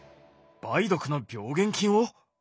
梅毒の病原菌を。